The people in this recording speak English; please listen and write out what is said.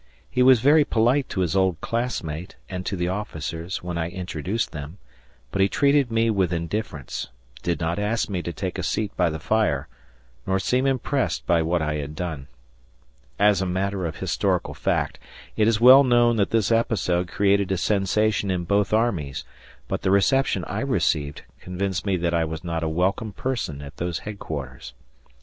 He was very polite to his old classmate and to the officers, when I introduced them, but he treated me with indifference, did not ask me to take a seat by the fire, nor seem impressed by what I had done. As a matter of historical fact, it is well known that this episode created a sensation in both armies, but the reception I received convinced me that I was not a welcome person at those headquarters.